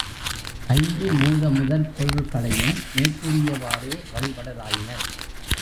ஐந்து மூல முதற் பொருள்களையும் மேற்கூறியவாறே வழிபடலாயினர்.